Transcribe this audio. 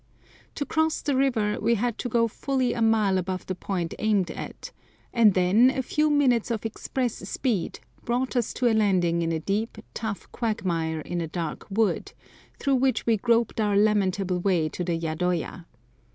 To cross the river we had to go fully a mile above the point aimed at, and then a few minutes of express speed brought us to a landing in a deep, tough quagmire in a dark wood, through which we groped our lamentable way to the yadoya.